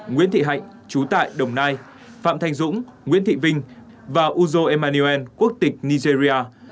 nguyễn thị hạnh chú tại đồng nai phạm thanh dũng nguyễn thị vinh và uzo emmaniuel quốc tịch nigeria